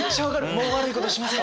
もう悪いことしません。